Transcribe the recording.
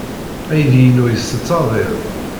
Aydi-inu yettett aḍil.